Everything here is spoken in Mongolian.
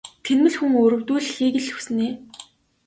Тэнэмэл хүн өрөвдүүлэхийг л хүснэ ээ.